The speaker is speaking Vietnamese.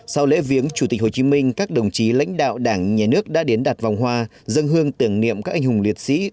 sau lễ viếng chủ tịch hồ chí minh các đồng chí lãnh đạo đảng nhà nước đã đến đặt vòng hoa dân hương tưởng niệm các anh hùng liệt sĩ